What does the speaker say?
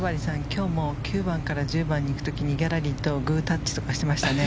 今日も９番から１０番に行く時にギャラリーとグータッチとかしてましたね。